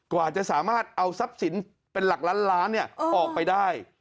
กว่าจะสามารถเอาทรัพย์สินเป็นหลักล้านล้านออกไปได้